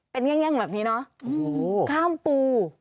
เป็นแย่งแบบนี้เนอะข้ามปู